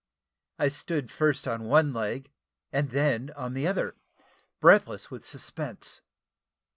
I stood first on one leg, and then on the other, breathless with suspense.